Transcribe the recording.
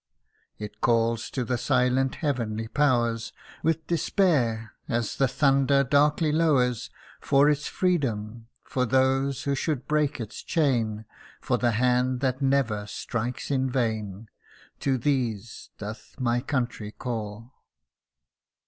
It calls to the silent heavenly powers, With despair, as the thunder darkly lowers, For its freedom for those who should break its chain For the hand that never strikes in vain To these doth my country call